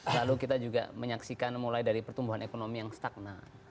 lalu kita juga menyaksikan mulai dari pertumbuhan ekonomi yang stagnal